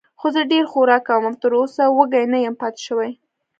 خو زه ډېر خوراک کوم او تراوسه وږی نه یم پاتې شوی.